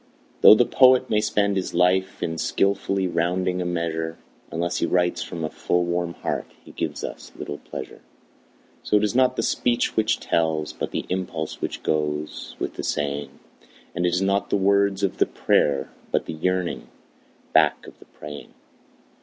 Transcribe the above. Though the poet may spend his life in skilfully rounding a measure, Unless he writes from a full, warm heart he gives us little pleasure. So it is not the speech which tells, but the impulse which goes with the saying; And it is not the words of the prayer, but the yearning back of the praying.